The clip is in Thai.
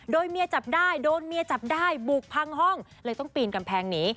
โดยเมียจับได้โดนเมียจับได้บุกพังห้องเลยต้องปีนกำแพงหนี